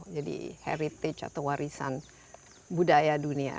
jadi heritage atau warisan budaya dunia